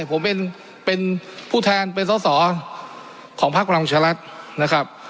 ได้ผมเป็นเป็นผู้แทนเป็นสสอของภาคพลังชารัฐนะครับ